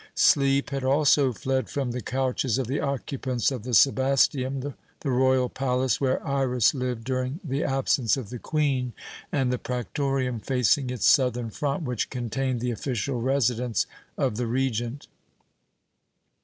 Sleep had also fled from the couches of the occupants of the Sebasteum, the royal palace where Iras lived during the absence of the Queen, and the prætorium, facing its southern front, which contained the official residence of the Regent.